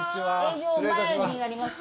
営業前になりますか？